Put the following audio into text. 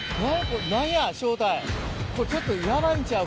これちょっとヤバいんちゃう？